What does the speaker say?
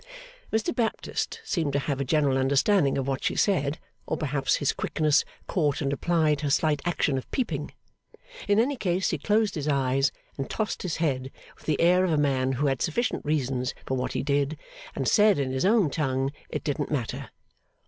Mr Baptist seemed to have a general understanding of what she said; or perhaps his quickness caught and applied her slight action of peeping. In any case he closed his eyes and tossed his head with the air of a man who had sufficient reasons for what he did, and said in his own tongue, it didn't matter.